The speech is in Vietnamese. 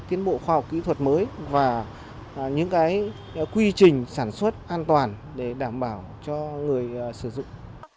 tiến bộ khoa học kỹ thuật mới và những quy trình sản xuất an toàn để đảm bảo cho người sử dụng